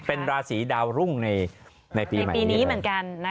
เป็นราศีดาวรุ่งในปีใหม่ปีนี้เหมือนกัน